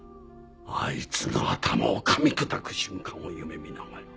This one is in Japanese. あいつの頭を噛み砕く瞬間を夢見ながら。